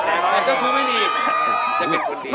ถ้าเจ้าชู้ไม่ดีจะเเป็นคนดี